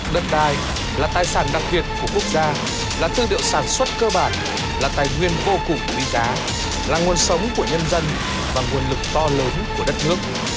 đất đai là tài sản đặc biệt của quốc gia là tư điệu sản xuất cơ bản là tài nguyên vô cùng quý giá là nguồn sống của nhân dân và nguồn lực to lớn của đất nước